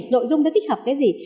nội dung tích hợp cái gì